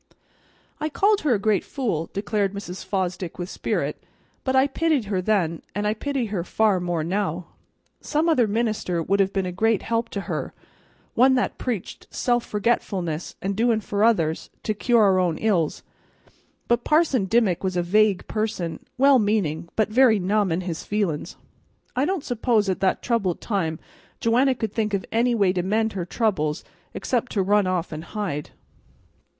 "I called her a great fool," declared Mrs. Fosdick, with spirit, "but I pitied her then, and I pity her far more now. Some other minister would have been a great help to her, one that preached self forgetfulness and doin' for others to cure our own ills; but Parson Dimmick was a vague person, well meanin', but very numb in his feelin's. I don't suppose at that troubled time Joanna could think of any way to mend her troubles except to run off and hide."